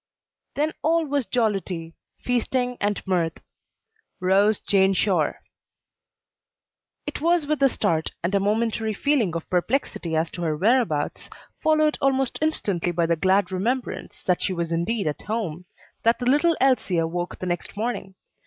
"Then all was jollity, Feasting, and mirth." ROWE'S JANE SHORE. It was with a start, and a momentary feeling of perplexity as to her whereabouts, followed almost instantly by the glad remembrance that she was indeed at home, that the little Elsie awoke the next morning.